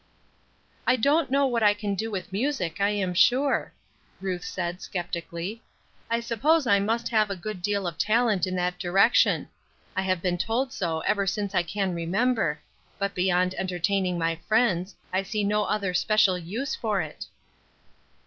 "I don't know what I can do with music, I am sure," Ruth said, skeptically. "I suppose I must have a good deal of talent in that direction; I have been told so ever since I can remember; but beyond entertaining my friends, I see no other special use for it."